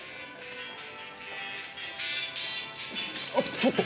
ちょっと！